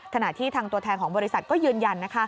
ขณะที่ทางตัวแทนของบริษัทก็ยืนยัน